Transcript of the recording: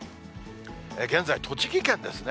現在、栃木県ですね。